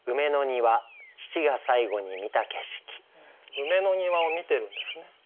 梅の庭を観てるんですね。